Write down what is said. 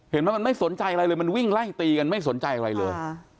เห็นไหมมันไม่สนใจอะไรเลยมันวิ่งไล่ตีกันไม่สนใจอะไรเลย